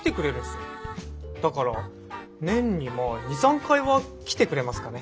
だから年にまあ２３回は来てくれますかね。